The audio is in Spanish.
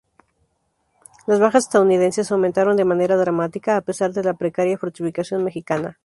Las bajas estadounidenses aumentaron de manera dramática, a pesar de la precaria fortificación mexicana.